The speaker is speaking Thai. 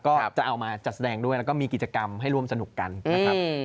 ก็จะเอามาจัดแสดงด้วยแล้วก็มีกิจกรรมให้ร่วมสนุกกันนะครับ